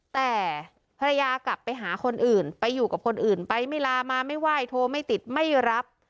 แต่ภรรยากลับไปหาคนอื่นไปอยู่กับคนอื่นไปไม่ลามาไม่ไหว้โทรไม่ติดไม่รับ